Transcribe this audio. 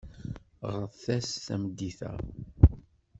Ɣret-as tameddit-a.